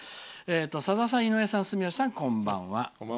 「さださん、井上さん住吉さん、こんばんは。」